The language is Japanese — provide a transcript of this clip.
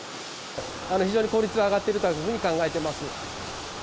非常に効率は上がっているというふうに考えています。